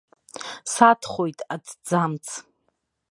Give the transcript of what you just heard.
Садхоит аҭӡамц.